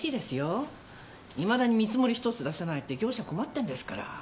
未だに見積もり１つ出せないって業者困ってんですから。